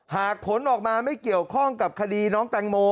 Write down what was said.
หากผลออกมาไม่เกี่ยวข้องกับคดีน้องแตงโม